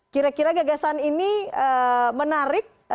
kira kira gagasan ini menarik